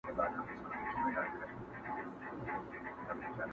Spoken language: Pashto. یو سړی وو خدای په ډېر څه نازولی.